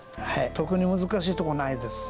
特に難しいとこないです。